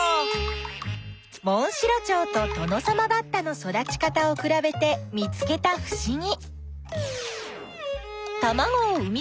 モンシロチョウとトノサマバッタの育ち方をくらべて見つけたふしぎ。